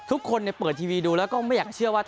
ทุกคนเปิดทีวีดูแล้วก็ไม่อยากเชื่อว่า